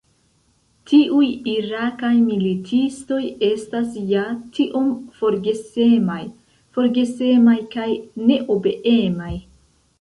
Tiuj irakaj militistoj estas ja tiom forgesemaj – forgesemaj kaj neobeemaj.